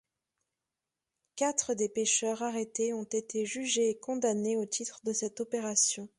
Quatre des pêcheurs arrêtés ont été jugés et condamnés au titre de cette opération.